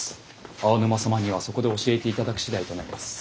青沼様にはそこで教えて頂く次第となります。